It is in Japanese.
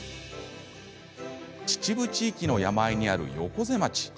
秩父地域の山あいにある横瀬町。